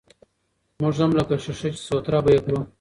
موږ هم لکه ښيښه، چې سوتره به يې کړو.